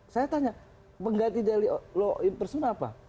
saya tanya mengganti dari law enforcement apa